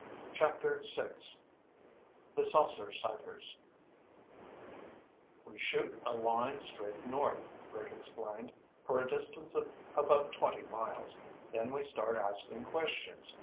CHAPTER VI The Saucer Sighters "We shoot a line straight north," Rick explained, "for a distance of about twenty miles. Then we start asking questions.